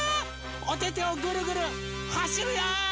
おててをぐるぐるはしるよ！